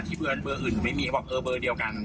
ที่เบอร์อื่นไม่มีบอกเบอร์เดียวกัน